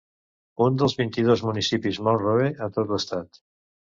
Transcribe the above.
És un dels vint-i-dos municipis Monroe a tot l'estat.